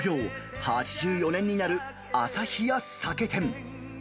創業８４年になる旭屋酒店。